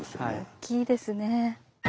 大きいですね。